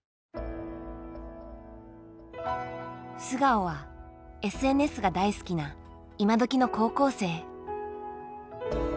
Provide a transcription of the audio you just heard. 素顔はＳＮＳが大好きな今どきの高校生。